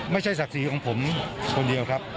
ศักดิ์ศรีของผมคนเดียวครับ